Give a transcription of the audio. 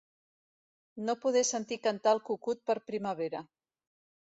No poder sentir cantar el cucut per primavera.